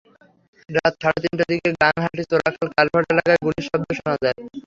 রাত সাড়ে তিনটার দিকে গাংহাটি চোরাখাল কালভার্ট এলাকায় গুলির শব্দ শোনা যায়।